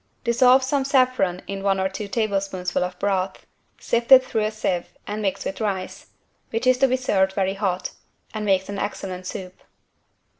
Dissolve some saffron in one or two tablespoonfuls of broth; sift it through a sieve and mix with rice, which is to be served very hot, and makes an excellent soup.